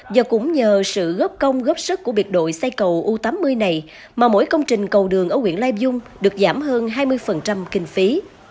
giờ cũng nhờ sự góp công góp sức của biệt đội xây cầu u tám mươi này mà mỗi công trình cầu đường ở quyện lai dung được giảm hơn hai mươi kinh phí